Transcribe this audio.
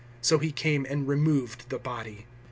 So he came and removed the body.